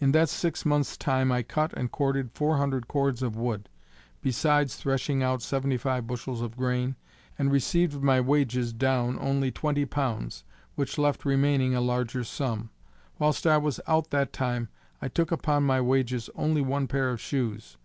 In that six months' time I cut and corded four hundred cords of wood, besides threshing out seventy five bushels of grain, and received of my wages down only twenty pounds, which left remaining a larger sum. Whilst I was out that time, I took upon my wages only one pair of shoes.